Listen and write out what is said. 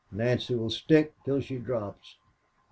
Nancy will stick till she drops.